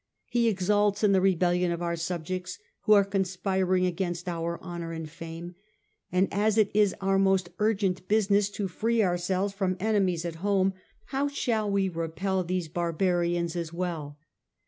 He exults in the rebellion of our subjects, who are conspiring against our honour and fame, and as it is our most urgent business to free ourselves from enemies at home, how shall we repel these barbarians as well